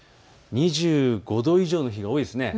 ２５度以上の日が多いですね。